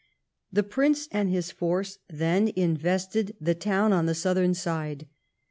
The Prince and his force then invested the town on the southern side.